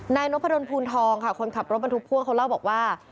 นายนพดลภูนทองค่ะคนขับรถบรรทุกพ่วงเขาเล่าบอกว่า